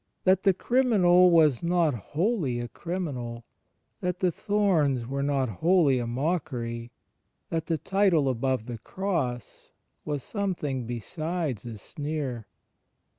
. that the Criminal was not wholly a Criminal, that the Thorns were not wholly a mockery, that the title above the Cross was something besides a sneer.